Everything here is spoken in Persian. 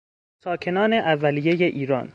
ساکنان اولیهی ایران